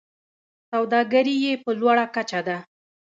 سوداګري یې په لوړه کچه ده.